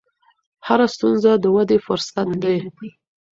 هره ستونزه د ودې فرصت دی.